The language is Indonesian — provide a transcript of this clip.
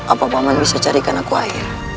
apa paman bisa carikan aku air